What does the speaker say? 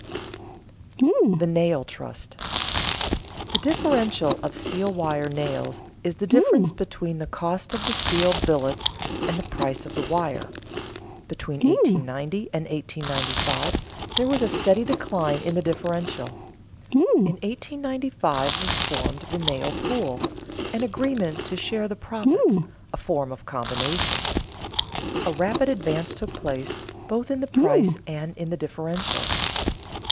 [Sidenote: The nail trust] The differential of steel wire nails is the difference between the cost of the steel billets and the price of the wire. Between 1890 and 1895 there was a steady decline in the differential. In 1895 was formed the nail pool, an agreement to share the profits, a form of combination. A rapid advance took place, both in the price and in the differential.